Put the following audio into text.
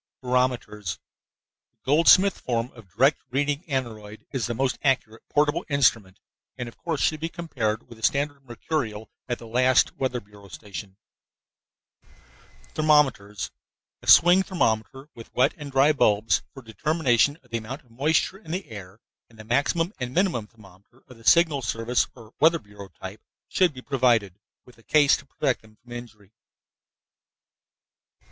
BAROMETERS The Goldsmith form of direct reading aneroid is the most accurate portable instrument and, of course, should be compared with a standard mercurial at the last weather bureau station. THERMOMETERS A swing thermometer, with wet and dry bulbs for determination of the amount of moisture in the air, and the maximum and minimum thermometer of the signal service or weather bureau type should be provided, with a case to protect them from injury.